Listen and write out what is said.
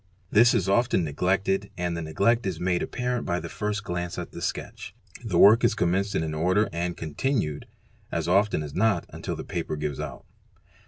This is often neg lected and the neglect is made apparent by the first glance at the sketch. The work is commenced in a corner and continued, as often as not, until the paper gives out.